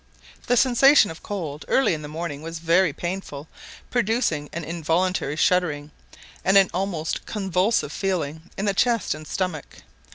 The sensation of cold early in the morning was very painful, producing an involuntary shuddering, and an almost convulsive feeling in the chest and stomach.